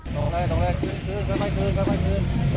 ตรงเลยขึ้น